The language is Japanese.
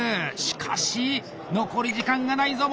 しかし残り時間がないぞ。